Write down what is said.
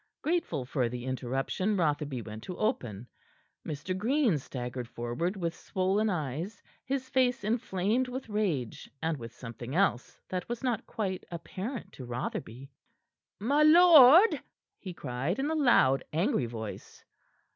Grateful for the interruption, Rotherby went to open. Mr. Green staggered forward with swollen eyes, his face inflamed with rage, and with something else that was not quite apparent to Rotherby. "My lord!" he cried in a loud, angry voice.